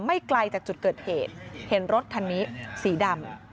ไกลจากจุดเกิดเหตุเห็นรถคันนี้สีดำ